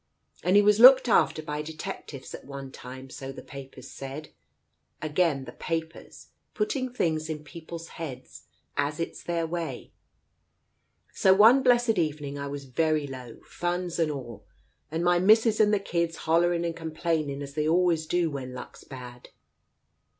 And he was looked after by detec tives, at one time, so the papers said — again the papers, putting things in people's heads, as it's their way. So one blessed evening I was very low — funds and all, and my missus and the kids hollering and complaining as they always do when luck's bad.